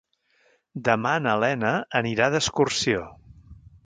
Demà na Lena anirà d'excursió.